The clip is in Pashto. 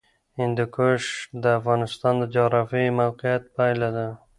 هندوکش د افغانستان د جغرافیایي موقیعت پایله ده.